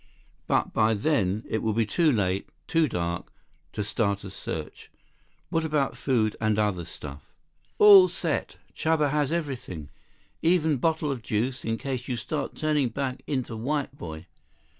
But by then, it will be too late, too dark, to start a search. What about food, and other stuff?" "All set. Chuba has everything. Even bottle of juice in case you start turning back into white boy.